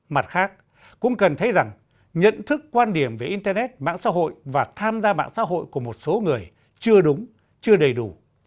mặt khác cũng cần thấy rằng nhận thức quan điểm về internet mạng xã hội và tham gia mạng xã hội của một số người chưa đúng chưa đầy đủ